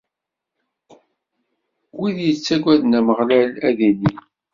Wid yettaggaden Ameɣlal ad inin.